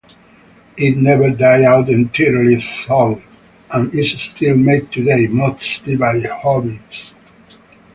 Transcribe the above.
It never died out entirely though, and is still made today, mostly by hobbyists.